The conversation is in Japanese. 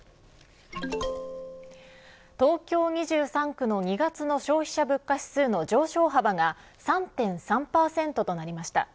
東京２３区の２月の消費者物価指数の上昇幅が３．３％となりました。